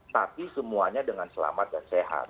tapi semuanya dengan selamat dan sehat